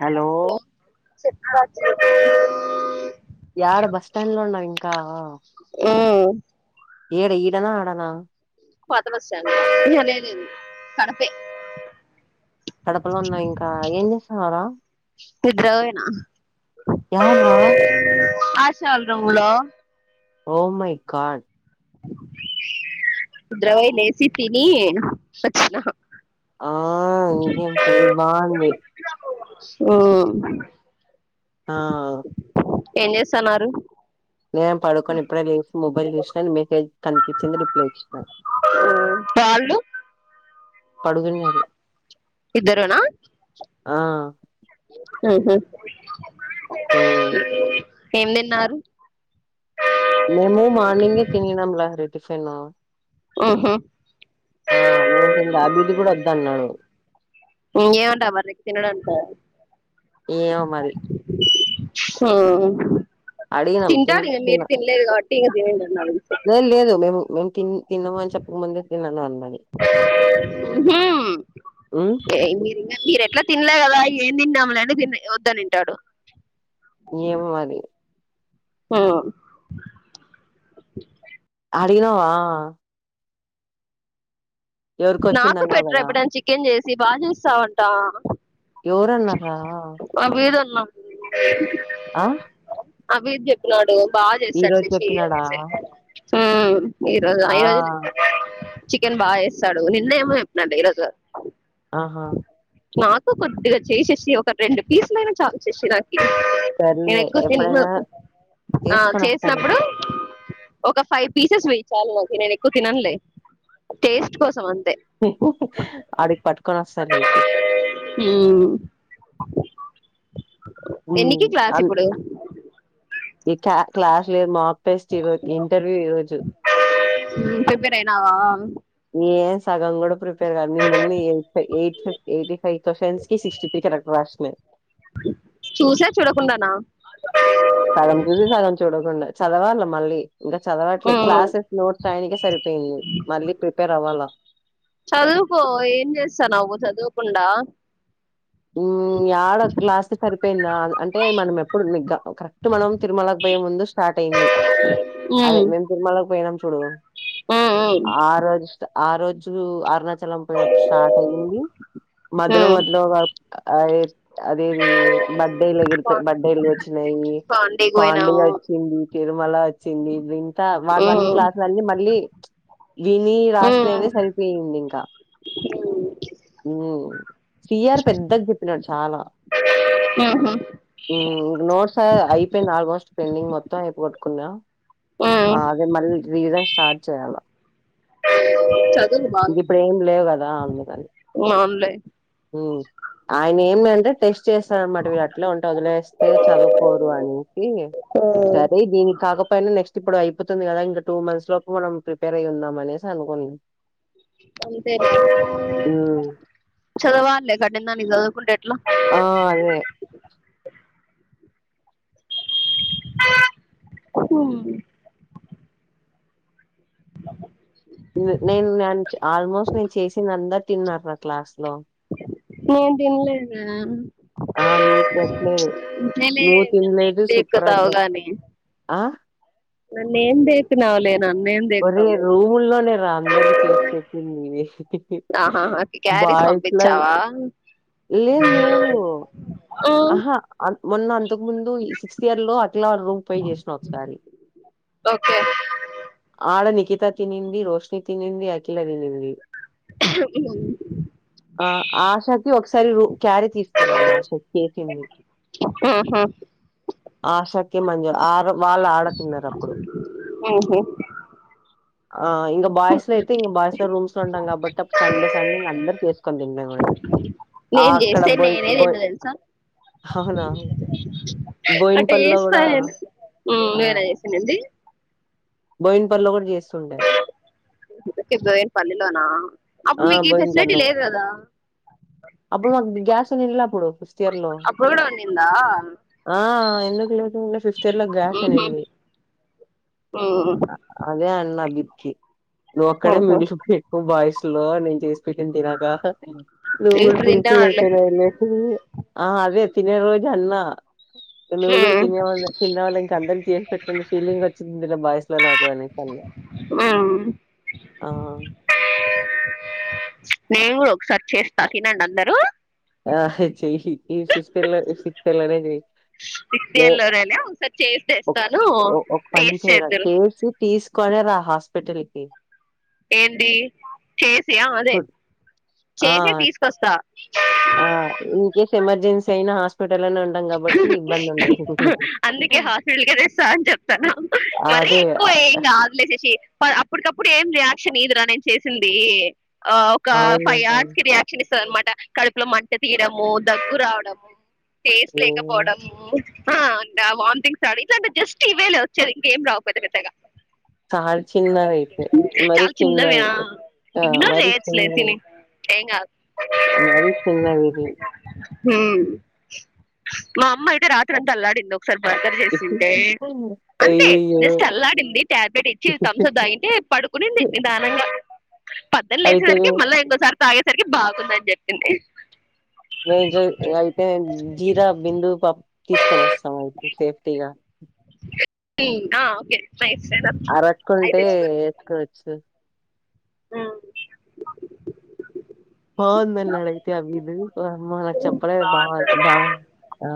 Hello చె [unintelligible] యారు bus stand లో ఉన్నావు ఇంకా ఏడ ఈడనా ఆడనా పాత బస్టాండ్ ఇగ లేను అను కడపే కడపలో ఉన్నా ఇంకా ఏం చేసావారా నిద్రబోయిన ఆశాడంలో ఓ మై గాడ్ నిద్రవయి లేచి తిని వచ్చిన ఆ ఇంకేంపని బావుంది ఉమ్ ఆ ఏం చేస్తన్నారు నే పడుకొని ఎప్పుడ లేసి మొబైల్ చూసినా ని మెసేజ్ కనిపించింది రిప్లై ఇచ్చినా వాళ్ళు పడుకున్నారు ఇద్దరునా ఆ ఉహూ ఉమ్. [unintelligible] ఏం తిన్నారు మేము మార్నింగే తినినంలార టిఫైన్ హ్మ్ హ్మ్ మేము తినలే అభిది కూడా వద్దన్నాడు ఉ ఏమంటా బర్ర తినడుంటా ఏమో మరి హ అడిగినాం తిన్ తింటారు ఇకా తిన్న మీరు తినలేదు కాట్ తీదిండి లేదు లేదు మేము మేం పన్ తిన్నాము అని చెప్పకముందే తినను అన్నది హ్మ్ ఎట్ల తిన్లే కదా ఏం తిన్నాములేని తి వద్దని తింటాడు ఏమో మరి ఆ అడినవా నాకు వచ్చిందన్నావు పెట్టరు కదా ఎప్పుడుని చికెన్ చేసి బాగా చూస్తావంట ఎవరన్నారా ఆ వీదన్నా ఏ ఆ అభిద్ధ చెతున్నాడి బాగా ఈ చేస్తారు రోజు శషి చెప్పినాడా అనే స ఈ రోజు ఐ ఆ రోజలు చికెన్ బాగా చేస్తాడు నిన్న ఏమో చెప్పినడు డి ఈరోజు ఆహా నాకు కొద్దిగా చేసేసి ఒక రెండు పీసులు అయినా చా చేసి నేను సర్లే ఎక్కువ తి ఎప్పుడైనా ఆ తీసుకొని వస్తాలే చేసినప్పుడు ఒక ఫైవ్ పీసెస్ వేయించాలి నాకు నేను ఎక్కువ తినంలే టేస్ట్ కోసం అ అడికి పాట్ కొనస్తా ఉమ్, ఎన్నికి క్లాస్ అన్- ఇప్పుడు ఈ క క్లాస్ లేదు మా స్ట్ ఇంటర్వ్యూ ఈరోజుస్ ప్రిపేర్ అయినావా సగం కూడా ప్రి న్న ఎయి ఎయిత్ ఎయిటీ ఫై్్వ్న్స్ కి సిక్స్టీ కరెక్ట్ హ్మ్ చూసా చూడకుండానా సగం చూసి సగం చూడకుండా చదవాళ్ళ మళ్ళీ ఇంకా చదవట్లేదు ఉమ్ క్లాసెస్ నోట్స్ ఆయనిక సరిపోయింది మళ్ళీ ప్రిపేర్ అవ్వాలా చదువుకో ఏం చేస్తా నువ్వు చదువుకుండా ఉమ్ ఏడ క్లాస్ సరిపోయింద అంటే మనం ఎప్పుడు కరెక్ట్ మనం తిరుమలకి పోయే ముందు స్టార్ట్ అయింది ఉమ్ అదే మేము తిరుమలకి పోయినాం చూడ ఉమ్ ఉమ్ ఆ రజష్ట ఆ రోజు ఆరునా చలం పోయినప్పుడు స్టార్ట్ అయియంది మొలో ఉమ్ మొదలో అయి ఆ అదే ది బడ్డైలయి బడ్డైలు వచ్చ వచ్చినాయి పాండీకి పాడుగ పోయినాము వచ్చింది తిరుమల వచ్చింది వాడవన్నీ ఉమ్ క్లాసులు అన్నీ మళ్ళీ విని ఉమ్ రాసినవే సరిపోయింది ఇంకా ఉమ్ స పెద్ద గతున చాలా ఉహుమ్ హా అయిపోయింది ఆల్మోస్ట్ పెండింగ్ మొత్తం అయిపోట్టుకున్నా ఉమ్ ఆ అదే మళ్ళీ రీజన్ స్టార్ట్ చేయాల చదువు బాగా ఇంగ్ ఇప్పుడు ఏం లేద్ అడ్ రా అన్నదని అవునులే ఉమ్ ఆయన ఏమి అంటే చేస్తార అనమాట వీళ అట్లా ఉంటే వదిలేస్తే చదువుకోరు అని ఉమ్ సరే దీనికి కాకపోయినా నెక్స్ట్ ఇప్పుడు అయిపోతుంది కదా ఇంకా టూ మంత్స్ లోపు మనం ప్రిపేర్ అయిి ఉందంమనేసి అనుకున్నాం ఆంథే లే హ్మ్ చదవలే కటింధనికి చదవకుంటే ఎట్లా ఆ అదే హ్మ్ నేను న ఆల్మోస్ట్ నేను చేసింది అందరు తిన్నారు నా క్లాస్ లో నేను తినలేదే ఆ నీకు పెట్టలేదు అంతేలే నువ్వు నన్నేం తినలేదు సుప్రజ్ దేక్కుతావు ఆ నానీ ఎమి ధేకినావ్ లే ఒరే రూముల్లోనే అందరికి చేసి చెస్పెటింధి ఆహాహా క్యారీస్ బాయ్స్లా పంపించావా లేదు లేదు ఉమ్ ఆహా అన్ మొన్న అంతక్ ముందు ఈ సిక్స్త్ ఇయర్ లో అట్ ట్లా రూపై జేసిన ఒకసారి ఓకే ఆడ నికి త తినింది రోషిని తినింది అఖిలా తినిన్ ది ఆ ఆశ కి ఒక్స్ [unintelligible] క్యారీ తీసుకెళ్ళమ్ ఆశకి సింది ఆహా ఆశకీ మంజు ఆడ వాళ్ళు ఆడ తిన్నారు అప్పుడు ఓహో ఆ ఇంకా బాయ్స్ లో అయితే ఇంకా బాయ్స్ లో రూమ్స్ లో ఉంటాం కాబట్టి సండే సండే ఇంక అందరు చేసుకొని తింటే ఆ నేను అక్కడ చేస్తే బోయ్ నేనే బోయ్ తిన్న అట్ట బోయిన్పల్లిలో చేసిన కూడా నేను నువ్వే నా చేసింది బోయిన్పల్లో కూడ చేస్తుండే [unintelligible] పల్లిలోన అప్పుడు ఆ మీకు ఫెసిలిటీ బోయిన్పల్లిలో లేద్ కదా అప్పుడు మాకు గ్యాస్ ఉండలే అప్పుడు ఫిఫ్త్ ఇయర్ లో అప్పుడు కూడా ఉండిందా ఆ ఎందుకు లే ఫిఫ్త్ ఇయర్ లో గ్యాస్ ఉహు ఉంనింది ఉమ్ అదే ఆన్ గీప్ చి నువ్వు అక్కడే మేం ఓహో ఇరుకో బాయ్స్. లో నేను చెస్ పెట్టిన తినకా. నువ్వు కూడ ఇప్పుడు ఫుల్ ఫీల్ తింటానలే అయిపోయి అని ఆ అదే తిన్నే రోజు. గన్నా. నువ్వు కూడా ఉమ్ తిని తిన్నావాల తినాలి అందరం చేసి పెట్టిన ఫీలింగ్ వచ్చి బాయ్స్ నాకు ఉమ్ ఆ. నేను కూడా ఒకసారి చేస్తా తినండి అందరూ. ఆ. చెయ్ ఈ సిస్ల శస్లనే చెయ్ సిక్స్త్ ఇయర్ లోనేనే ఒకసారి చేసి తెస్తాను ఒక పని టేస్ట్ చేయరా చేద్దురు చేసి. తీసుకొరా హాస్పిటల్ కి. ఏంది చేసి ఆ అదే. గుడ్. ఆ చేసే తీసుకొస్త ఆ ఇన్ కేస్ ఎమర్జెన్సీ అయిన హాస్పి. ఉండదు అందుకే హాస్పిటల్కే తెస్తా అని చెప్తాను మరి అదే ఎక్కువ ఏమి కాదులే శేశి అప్పటికప్పుడు ఏం చేయ. రియాక్షన్ నిద్ రా నేన్ చేసింది. ఒక ఫైవ్ అవునట అర్స్ కి రియాక్షన్ ఇస్ అనమాట కడుపులో మంట తీయడము దగ్గు రావడము. టేస్ట్ ఏమో లేకపోడము. అం వాథింగ్ స్టార్ ఇట్ంటే జస్ట్ ఈవేళ వచ్చేది ఇంకేం రావ్ పెద్ద పెద్దగ చాలా చిన్నది అయితే మరి చాలా చిన్నవి చిన్నది ఆ ఆ ఇగ్నోర్ మరి చేయొచ్చులే చిన్నది. తిని ఏం మరి చిన్నది ఇది. హ్మ్. మా అమ్మ అయితే రాత్రి అంతా అల్లాడింది. ఒకసారి బర్గర్ చేసింటే అంతే అయ్యయ్యో జస్ట్ అల్లాడింది టాబ్లెట్ ఇచ్చి మ్స తాగింటే పడుకునింది నిదానంగా. పద్దలు అయితే లేసేవరికి మళ్ళ ఇంకోసారి తాగేసరికి బాగుందని చెప్పింది. నైకు ఇగ అయితే జీర బిందు పప్ తీసుకొని వస్తాం అయితే సేఫ్టీగా ఆ ఓకే నైస్ అరకుంటే అయితే ఎసుకొని వచ్చిన. హా బాగుంది అని అడిగితే అవీద్ లామోల్ల చెప్పలే బాగున్నాడు బాగుంది బాగుంది ఆ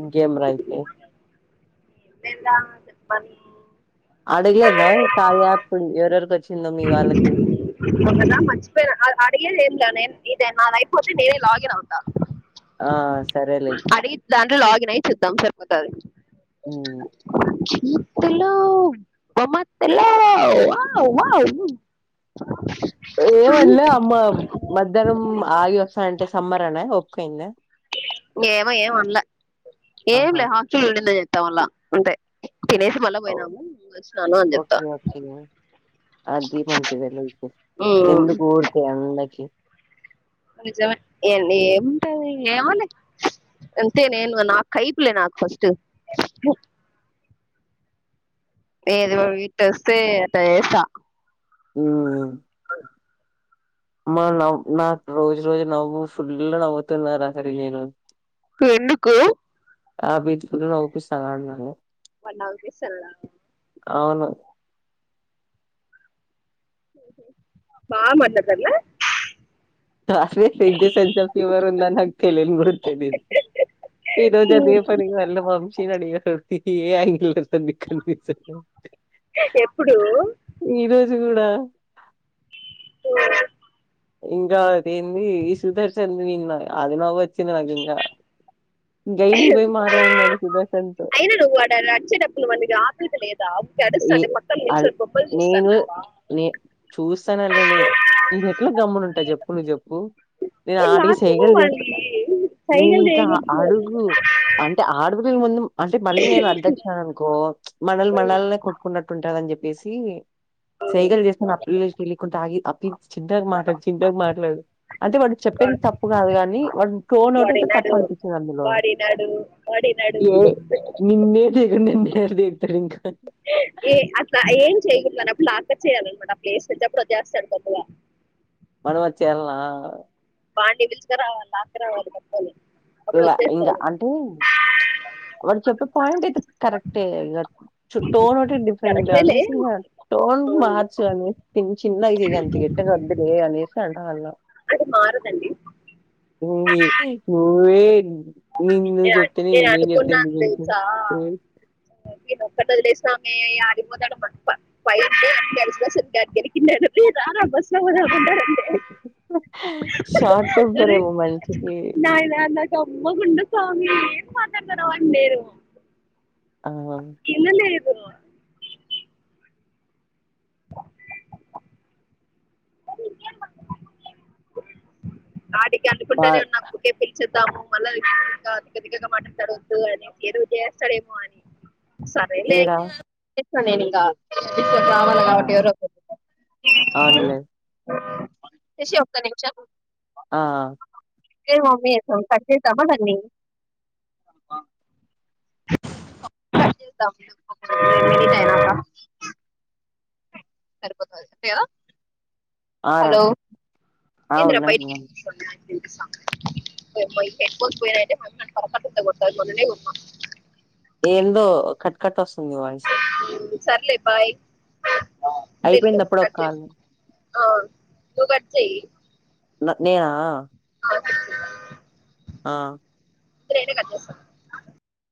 ఇంకేం రా అయితే తిందాం అని చెప్పని అడిగెదా కార్య యాపు ఎవరెవరికొచ్చి ఒకదా మరిచి పేనా అది అడిగేదెంల నేను ఇదే నాదయిపోతే నేనే లాగినవుతా ఆ సరేలే అడిగి దాంట్లో లాగిన్ అయి చూద్దాం సరిపో సరే ఉ ఇత్తులు మ మత్తలో వా వా ఏమాన్లె అమ్మ మధ్యాహ్నం ఆగి వస్తానంటే సమ్మరణ ఒకే అయిందా. ఏమో ఏమన్ల ఏం ఆహా లే హాస్టల్ లూడింద జే చ వల్ల ఉంటాయి చెప్తా ఓకే ఓకే అది మంచిదేలే ఊకె ఎందుకూరికె ఎండకి నిజమే ఎండీ ఏంటది ఏమోలే అంతే నేను నాకైపులే నాకు ఫస్ట్ ఏది కూడా వీట్ వస్తే అట జేస్తా ఊ మా నవ్ నాకు రోజు రోజు నవ్వు ఫుల్ నవ్వుతున్నా లహరి నేను కు ఎందుకు రాపిచ్కుంట నవుపిస్తా ఆడ్ నన్ను వాడు నవు పీస్ సనాడ అవును మామద్ నగర్ల అసలే ఫేక్ జెస్ సెంటల్ ఫీవర్ ఉందనీ నాకు తెలియన్ గూడ తెలియదు ఈరోజు అదే పనిగా అల్ల వంశీనీ అడిగా ఏ యాంగీల్ లో తెల్సు నికనిపించట్లే ఎప్పుడు ఈరోజు చూడా ఇంకా అదేంది ఈ సుదర్శంది నిన్న అది నవ్ వచ్చింది నాకు ఇంకా గైనికి పోయి మాట్లాడినాడు సుదర్శన్ తో అయినా నువ్వు ఆడ వచ్చేటప్పు వాణికి ఆపేది లేదా ఏ గడుస్తాది పక్కన అల్ నిల్చొని బొబ్బలు చూస్తాన్నావా ఇస్తానల్లోలేదు ఇంకా గమ్మునుంటా చెప్పు నువ్ చెప్పు నేను ఆడిగి నాకు సైగలు చేస్తా వాడిని నేను సైగలు ఇంకా చేయనట్లు అడుగు అంటే ఆడుగు మే ముందు అంటే మళ్ళీ నేను అడ్డు వచ్చాననుకో మనల్ మనలక్ ఉన్నట్టుంటదని చెప్పేసి సైగల్ చేసినా అ పీజీ కెళ్ళి కొంచం ఆగి చిన్తో మాట్లాడు చిన్తో మాట్లాడు అదే వాడు చెప్పేది తప్పు కాదు కా వి వం ఫోన్ వాడి ఎత్తుతే తప్ప నడు అనిపించందు అందులో వాడి నడు వాడి నడు ఏ నిన్నే నిన్నెవరు దెక్తారు ఇంకా ఏ అట్ల ఏం చేయగుతన్నా ప్లాన్ కచ్చయాలన్ మాట ప్లెస్ కోచ్చే ప్రతి హాస్టల్ కొత్తగా మనవచ్చేయాల్నా వాన్ని పిలుచక రావాల్నా అంటారు వాళ్ళు కొత్తల్ని ఇగ ఇంకా అంటే వాడు చెప్పే పాయింట్ అయితే కరెక్టే కదా టోన్ ఒకటి డిఫరెంట్ కరెక్టేలే అనేసి ఇంగ టోన్ మార్చెయ్ అను టీ చిన్న ఇజీ గ అంతే ఇగ ఎట్టనో అడ్మిట్ చేయాలె అనే సా అలో అది మారదండి లుంగీ లుంగీ నిన్ను చెప్తతే నేను ఎందుకు చెప్ నాకు తెలుసా క్కనోదిలేసుకొని యాడికిపొదంటే బక్వ [unintelligible] గరికింద బస్ పోదామంటారంటే షార్ట్ టంపరెమో మనిషికి మ గుండస్వామి ఎం ట్లాడుతనావ్ అని డేర్ ఆం ఉ వాటికి పా అనుకుంటానే ఉన్న కూకేపిల్ చేద్దాము మళ్ళ వి తిక్క తిక్కగా మాట్లాడుతిడ వద్దు అని ఏదో చేస్తాడేమో అని సరేలే ఏడా చేస్నా నేనింకా [unintelligible] రావాల కాబట్టి ఎవరో ఓకరు ఔనులే తేషి ఒక్క నిమిషం ఆ కే మమ్మి కట్ చేద్దామా దాన్ని [unintelligible] సరిపోతాది అంతే కదా ఆరా హలో ఆ ఏందిరా ఉన్నా ఉన్నా బైటకినిపిస్తాంది ఓయమ్మో ఈ హెడ్ ఫోన్స్ పోయినాయంటే మా యమ్మ నన్ను పొరక్కట్టల్తో కొడతాది మొన్ననే కొన్నాం ఎందో కట్కట్ వస్తుంది నీ వాయిస్ సర్లే బాయ్ అయిపోయిందప్పుడే ఒక కట్ చేసి కాల్ ఆ నువ్వు కట్ చెయ్యి న నేఆ ఆ, కట్ ఆ ఇప్పుడైనా కట్ట్ చేస్తా